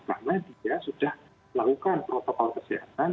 karena dia sudah melakukan protokol kesehatan